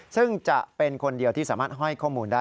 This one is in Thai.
ซึ่งจะเป็นคนเดียวที่สามารถให้ข้อมูลได้